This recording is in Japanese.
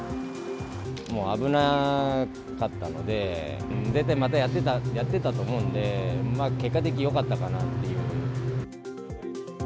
もう危なかったので、絶対またやってたと思うんで、結果的によかったかなという。